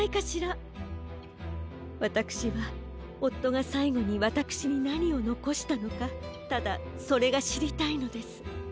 わたくしはおっとがさいごにわたくしになにをのこしたのかただそれがしりたいのです。